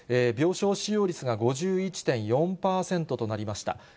病床使用率が５１．４％となりました。